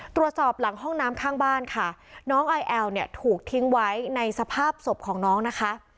ตรวจสอบหลังห้องน้ำข้างบ้านค่ะน้องไอแอลเนี่ยถูกทิ้งไว้ในสภาพศพของน้องนะคะ